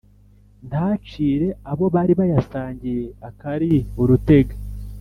ntacire abo bari bayasangiye akari urutega